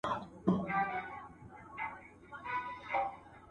شيطان انسان ته ناوړه کړني ګتوري معرفي کوي.